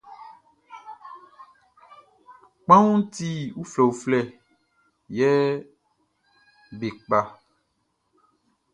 Kpanwunʼn ti uflɛuflɛ, yɛ be kpa.